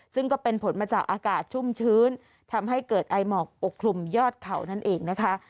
ซึ่งก็เป็นผลมาจากอากาศชุ่มชื้นทำให้เกิดไอหมอกปกคลุมยอดเขานั่นเองนะคะ